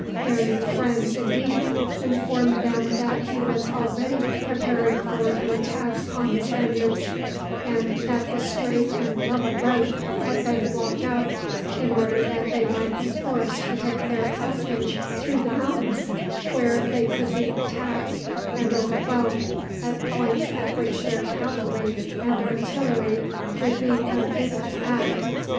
Their new friends, indeed, informed them that he was already preparing for an attack upon the Spaniards; and that the straight and level road had been blocked up, in order that they might be forced to take their passage through the mountains, where they could be attacked and overwhelmed at points at which their cavalry and artillery would be unable to act.